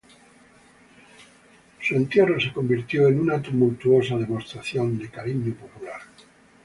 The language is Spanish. Su entierro se convirtió en una tumultuosa demostración de cariño popular.